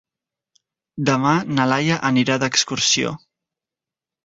Demà na Laia anirà d'excursió.